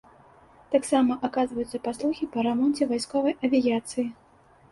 Таксама аказваюцца паслугі па рамонце вайсковай авіяцыі.